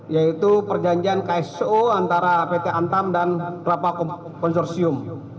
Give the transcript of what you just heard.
yaitu perjanjian kso antara pt antam dan kerapa konsorsium